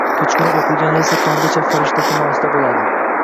kechqurun o‘qigan esa tonggacha farishta himoyasida bo‘ladi.